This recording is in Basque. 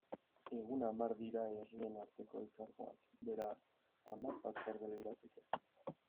Egun hamar dira herrien arteko elkargoak, beraz, hamar batzorde lirateke.